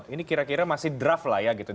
ini kira kira masih draft lah ya gitu